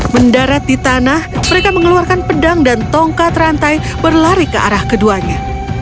mendarat di tanah mereka mengeluarkan pedang dan tongkat rantai berlari ke arah keduanya